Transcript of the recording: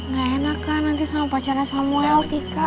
ga enak kan nanti sama pacarnya samuel tika